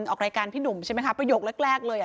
ออกรายการพี่หนุ่มใช่ไหมคะประโยคแรกเลยอ่ะ